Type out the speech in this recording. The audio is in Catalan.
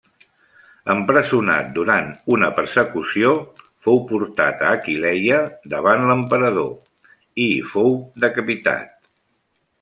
Empresonat durant una persecució, fou portat a Aquileia davant l'emperador, i hi fou decapitat.